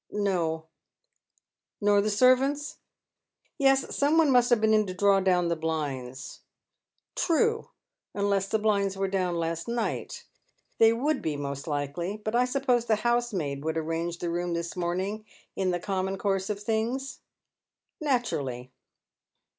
"" No." *' Nor the servants ?" "Yes, some one must have been in to draw down the blinds." " True. Unless the blinds were down last night. Tliey would be most likely. But I suppose the housemaid would arrange tue room tl;is mojning in the common course of things ?"" Naturally."